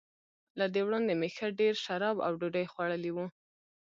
له دې وړاندي مې ښه ډېر شراب او ډوډۍ خوړلي وو.